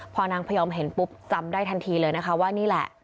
พอนางพยอมเห็นปุ๊บจำได้ทันทีเลยนะคะว่านี่แหละ